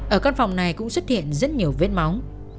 ở căn phòng này cũng xuất hiện rất nhiều vết máu